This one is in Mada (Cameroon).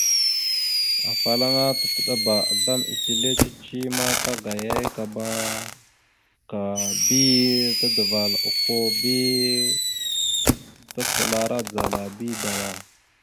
Afalaŋana tacəɗabá azlam etellé cici ma tagayayakaba ka bi tadaval okko bi tacalara dzala bi dala.